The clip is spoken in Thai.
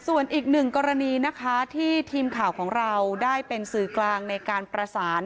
ส่วนอีกหนึ่งกรณีนะคะที่ทีมข่าวของเราได้เป็นสื่อกลางในการประสาน